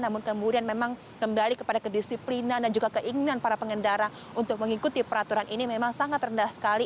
namun kemudian memang kembali kepada kedisiplinan dan juga keinginan para pengendara untuk mengikuti peraturan ini memang sangat rendah sekali